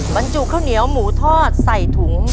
บรรจุข้าวเหนียวหมูทอดใส่ถุง